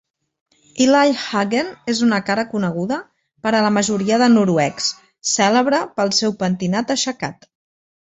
Eli Hagen és una cara coneguda per a la majoria de noruecs, cèlebre pel seu pentinat aixecat.